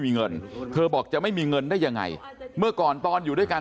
มีเงินเธอบอกจะไม่มีเงินได้ยังไงเมื่อก่อนตอนอยู่ด้วยกัน